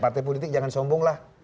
partai politik jangan sombonglah